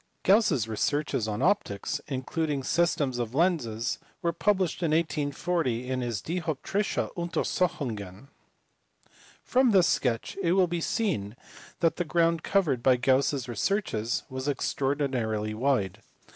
Gauss s researches on optics, including systems of lenses, were published in 1840 in his Dioptrische Untersuchungen. From this sketch it will be seen that the ground covered by Gauss s researches was extraordinarily wide.